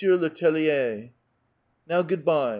le Tellier." " Now, good by."